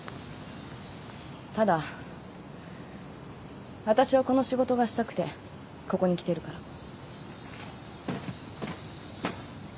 ただわたしはこの仕事がしたくてここに来てるから。